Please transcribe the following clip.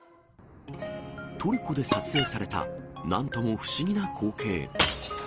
トルコで撮影された、なんとも不思議な光景。